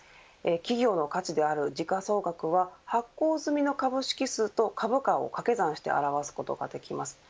企業の価値である時価総額は発行済みの株式数と株価を掛け算して表すことができます。